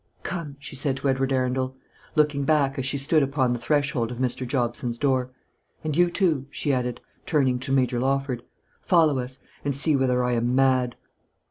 "Come," she said to Edward Arundel, looking back as she stood upon the threshold of Mr. Jobson's door; "and you too," she added, turning to Major Lawford, "follow us, and see whether I am MAD."